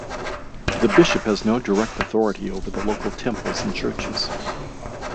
The bishop has no direct authority over the local temples and churches.